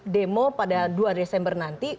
demo pada dua desember nanti